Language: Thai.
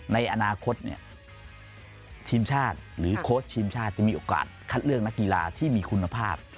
ในอนาคตทีมชาติหรือโค้ชทีมชาติจะมีโอกาสคัดเลือกนักกีฬาที่มีคุณภาพ